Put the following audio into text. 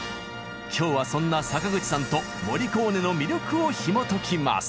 今日はそんな坂口さんとモリコーネの魅力をひもときます！